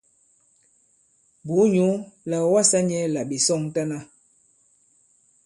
Bùu nyǔ là ɔ̀ wasā nyɛ̄ là ɓè sɔŋtana.